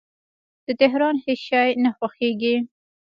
د تهران هیڅ شی نه خوښیږي